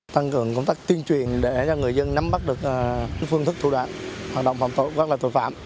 tăng cường công tác tiên truyền để cho người dân nắm bắt được phương thức thủ đoạn hoạt động phòng tội các loại tội phạm